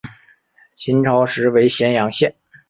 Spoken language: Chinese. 秦朝时为咸阳县。